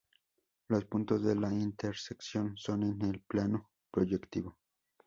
Los puntos de la intersección son en el plano proyectivo.